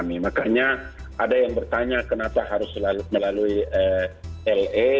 makanya ada yang bertanya kenapa harus melalui le